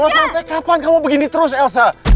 sampai kapan kamu begini terus elsa